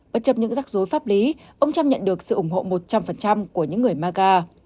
bất chấp những rắc rối pháp lý ông trump nhận được sự ủng hộ một trăm linh của những người maga